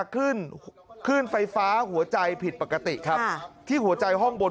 ขึ้นขึ้นไฟฟ้าหัวใจผิดปกติครับที่หัวใจห้องบน